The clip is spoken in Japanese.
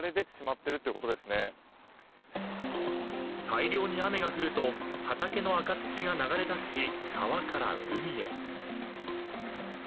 ［大量に雨が降ると畑の赤土が流れだし川から海へ］